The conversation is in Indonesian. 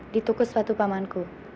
ditukus batu pamanku